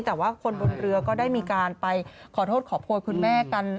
แต่ว่าคนบนเรือก็ได้มีการไปขอโทษขอโพยคุณแม่กัน